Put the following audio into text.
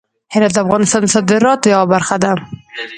هرات د افغانستان د صادراتو یوه برخه ده.